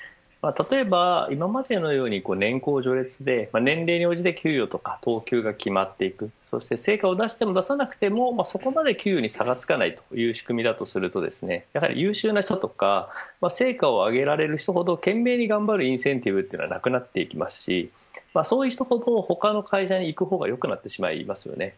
例えば今までのように年功序列で年齢に応じて給与とか等級が決まっていく成果を出しても出さなくてもそこまで給与に差がつかないという仕組みだとすると優秀な人とか成果を上げられる人ほど懸命に頑張るインセンティブはなくなっていきますしそういう人ほど他の会社に行く方が良くなってしまいます。